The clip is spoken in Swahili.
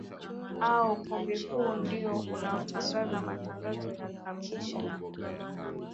ao ukumbi huu ndio unaotangaza matangazo na alhamisi hii leo